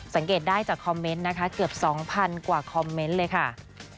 สังเกตได้จากคอมเมนต์นะคะเกือบ๒๐๐กว่าคอมเมนต์เลยค่ะ